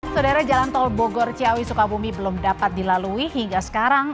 saudara jalan tol bogor ciawi sukabumi belum dapat dilalui hingga sekarang